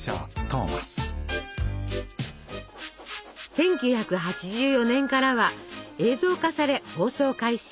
１９８４年からは映像化され放送開始。